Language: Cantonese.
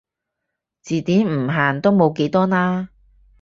字典唔限都冇幾多啦